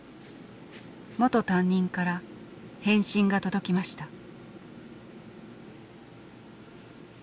元担任から返信が届きました。